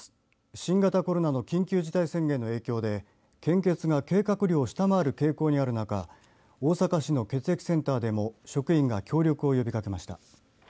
新型コロナの緊急事態宣言の影響で献血が計画量を下回る傾向にある中大阪市の血液センターでも職員が協力を呼びかけました。